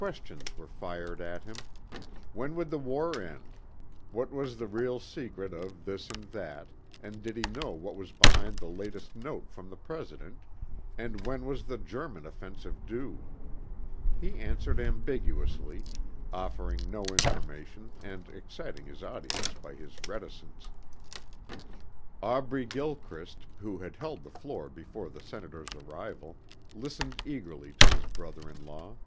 Questions were fired at him when would the war end, what was the real secret of this and that and did he know what was behind the latest note from the President, and when was the German offensive due? He answered ambiguously, offering no information and exciting his audience by his reticence. Aubrey Gilchrist, who had held the floor before the Senator's arrival, listened eagerly to his brother in law.